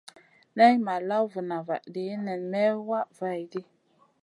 Na may law vuna vahdi nen may wah vaihʼdi.